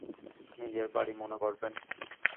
নিজের বাড়ি মনে করবেন।